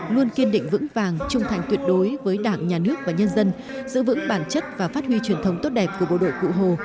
luôn kiên định vững vàng trung thành tuyệt đối với đảng nhà nước và nhân dân giữ vững bản chất và phát huy truyền thống tốt đẹp của bộ đội cụ hồ